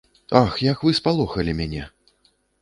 Ах, як вы спалохалі мяне.